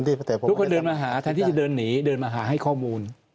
ทุกคนเดินมาหาแทนที่จะเดินหนีเดินมาหาให้ข้อมูล